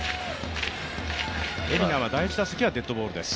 蝦名は第１打席はデッドボールです